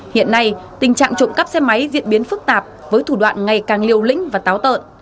hiện nay tình trạng trộm cắp xe máy diễn biến phức tạp với thủ đoạn ngày càng liều lĩnh và táo tợn